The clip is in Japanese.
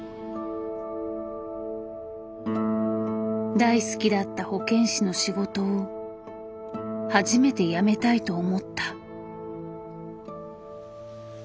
大好きだった保健師の仕事を初めて辞めたいと思った。